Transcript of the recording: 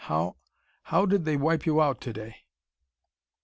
"How how did they wipe you out to day?"